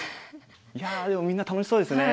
いやでもみんな楽しそうですね。